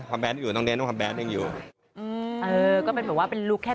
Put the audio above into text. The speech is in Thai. ความแบดยังอยู่น้องเน้นความแบดยังอยู่เออก็เป็นเหมือนว่าเป็นลุคแค่